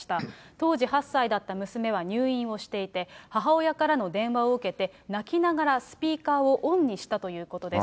当時８歳だった娘は入院をしていて、母親からの電話を受けて、泣きながらスピーカーをオンにしたということです。